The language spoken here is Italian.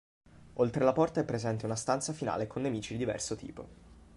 Oltre la porta è presente una stanza finale con nemici di diverso tipo.